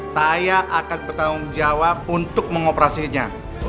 saya akan bertanggung jawab untuk mengoperasinya